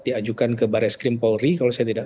diajukan ke baris krimpolri kalau saya tidak